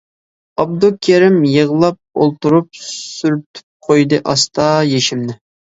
ئابدۇكېرىم يىغلاپ ئولتۇرۇپ، سۈرتۈپ قويدى ئاستا يېشىمنى.